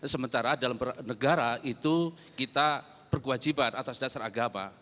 sementara dalam negara itu kita berkewajiban atas dasar agama